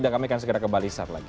dan kami akan segera ke balisar lagi